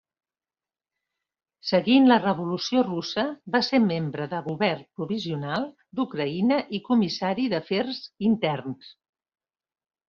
Seguint la Revolució Russa, va ser membre del Govern Provisional d'Ucraïna i Comissari d'Afers Interns.